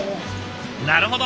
なるほど。